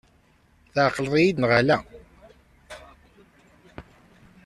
Tɛeqleḍ-iyi-d neɣ ala?